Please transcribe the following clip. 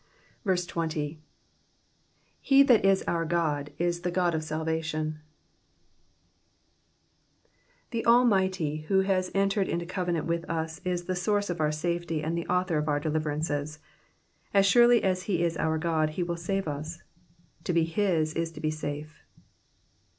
20. "'He that is our Ood is the God of saltation,''' The Almighty who has entered into covenant with us is the source of our safety, and the author of our deliverances. As surely as he is our God he will save us. To be his is to be safe.